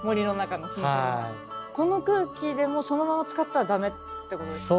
この空気でもそのまま使ったらダメってことですか？